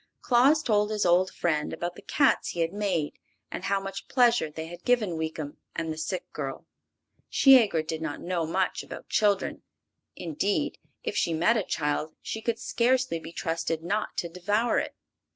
Claus told his old friend about the cats he had made, and how much pleasure they had given Weekum and the sick girl. Shiegra did not know much about children; indeed, if she met a child she could scarcely be trusted not to devour it.